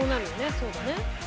そうだね。